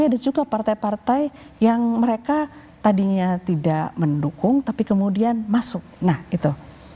ada juga partai partai yang mereka tadinya tidak mendukung tapi kemudian masuk nah itu